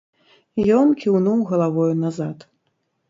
Ён кіўнуў галавою назад.